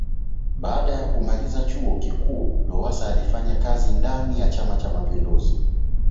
Baada ya kumaliza chuo kikuu Lowassa alifanya kazi ndani ya chama Cha mapinduzi